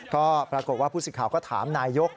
ก็ปรากฏว่าผู้สิทธิ์ข่าวก็ถามนายก